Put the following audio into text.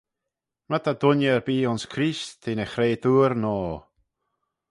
My ta dooinney erbee ayns Creest, t'eh ny chretoor noa.